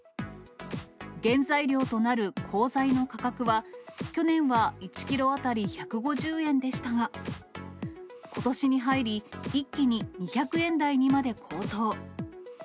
原材料となる鋼材の価格は、去年は１キロ当たり１５０円でしたが、ことしに入り、一気に２００円台にまで高騰。